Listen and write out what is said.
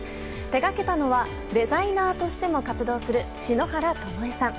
手がけたのはデザイナーとしても活動する篠原ともえさん。